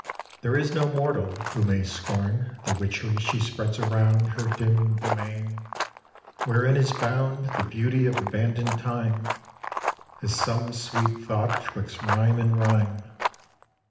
There is no mortal who may scorn The witchery she spreads around Her dim demesne, wherein is bound The beauty of abandoned time, As some sweet thought 'twixt rhyme and rhyme.